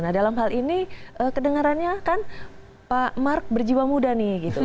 nah dalam hal ini kedengarannya kan pak mark berjiwa muda nih gitu